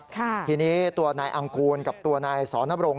ทีนี้ตัวนายอังกูลกับตัวนายสอนรง